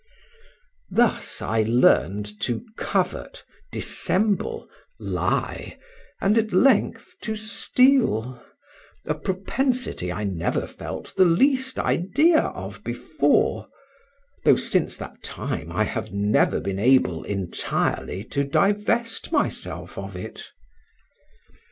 Thus I learned to covet, dissemble, lie, and, at length, to steal, a propensity I never felt the least idea of before, though since that time I have never been able entirely to divest myself of it.